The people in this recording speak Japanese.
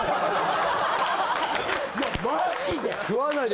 いやマジで！